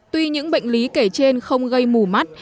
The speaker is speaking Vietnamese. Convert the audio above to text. tuy những bệnh lý kể trên không gây mù mắt